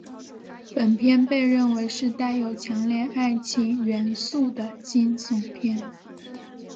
本片被认为是带有强烈爱情元素的惊悚片。